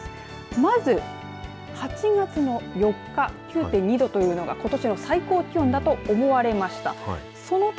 まず、８月の４日９．２度というのがことしの最高気温だと思われました。